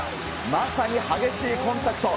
まさに激しいコンタクト。